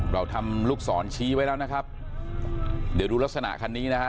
เราทำลูกศรชี้ไว้แล้วนะครับเดี๋ยวดูลักษณะคันนี้นะฮะ